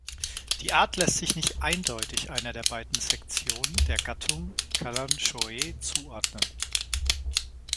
Die Art lässt sich nicht eindeutig einer der beiden Sektion der Gattung "Kalanchoe" zuordnen.